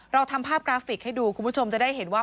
เราทำภาพกราฟิกให้ดูคุณผู้ชมจะได้เห็นว่า